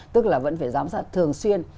tức là vẫn phải giám sát thường xuyên